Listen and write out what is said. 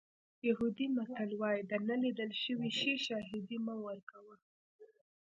یهودي متل وایي د نه لیدل شوي شي شاهدي مه ورکوه.